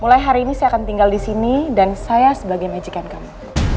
mulai hari ini saya akan tinggal di sini dan saya sebagai majikan kami